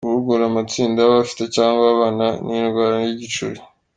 Guhugura amatsinda y’abafite cg ababana n’indwara y’igicuri ;.